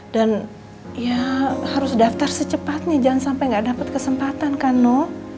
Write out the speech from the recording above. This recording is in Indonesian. dan ya harus daftar secepatnya jangan sampai gak dapet kesempatan kan noh